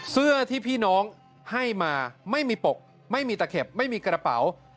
เสื้อที่พี่น้องให้มาไม่มีปกไม่มีตะเข็บไม่มีกระเป๋า